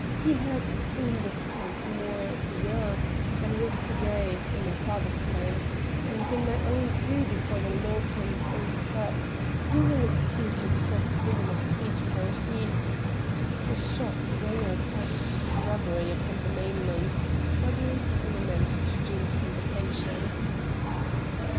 He has seen this place more bien than it is to day in my father's time, and in my own too before the law pleas ate us up; you will excuse his Scots freedom of speech, Count, he " A shot rang outside in some shrubbery upon the mainland, suddenly putting an end to Doom's conversation.